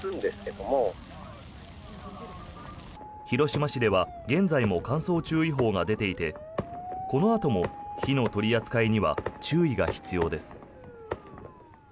広島市では現在も乾燥注意報が出ていてこのあとも火の取り扱いには注意が必要です。